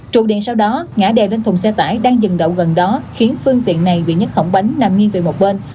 trụ điện sau đó ngã đè lên thùng xe tải đang dần đậu gần đó khiến phương tiện này bị nhấc hỏng bánh nằm nghiêng về một bên